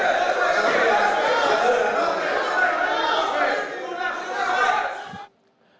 sudah sudah sudah